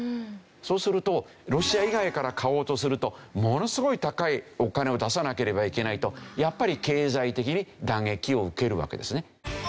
そうするとロシア以外から買おうとするとものすごい高いお金を出さなければいけないとやっぱり経済的に打撃を受けるわけですね。